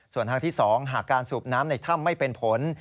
ส่วนทางที่๒หากการสูบน้ำในถ้ำไม่เป็นผล